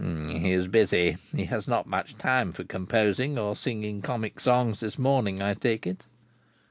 "He is busy. He has not much time for composing or singing Comic Songs this morning, I take it."